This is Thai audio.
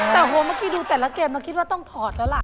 แต่โหเมื่อกี้ดูแต่ละเกมมาคิดว่าต้องถอดแล้วล่ะ